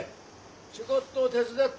ちょこっと手伝ってくれ。